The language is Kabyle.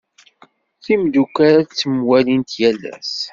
Timdukal ttemwallint yal ass.